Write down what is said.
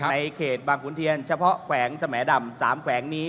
ในเขตบางขุนเทียนเฉพาะแขวงสมดำ๓แขวงนี้